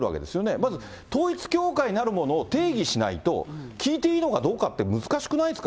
まず統一教会なるものを定義しないと、聞いていいのかどうかって、難しくないですか？